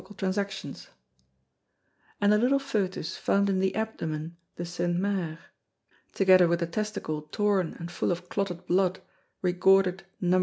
Trans._ And the little Fœtus found in the Abdomen de St. Mere, together with the Testicle torn and full of clotted Blood, recorded _Numb.